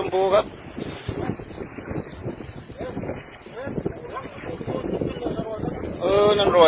กิโรกัน